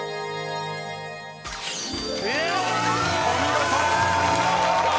［お見事！］